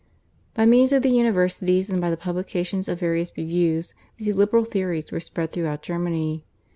By means of the universities and by the publication of various reviews these liberal theories were spread throughout Germany.